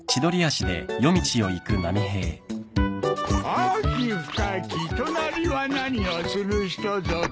「秋深き隣は何をする人ぞ」か。